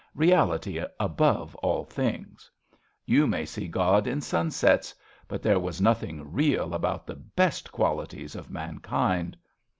Reality above all things ! You may see God in sunsets ; but there was nothing real about the best qualities of mankind.